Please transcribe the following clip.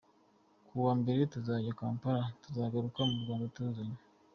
Kuwa mbere tuzajya Kampala ,tuzagaruka mu Rwanda tuzanye.